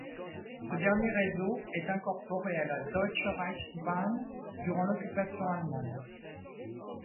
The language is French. Ce dernier réseau est incorporé à la Deutsche Reichsbahn durant l'occupation allemande.